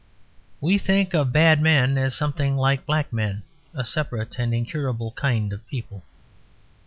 We think of bad men as something like black men, a separate and incurable kind of people.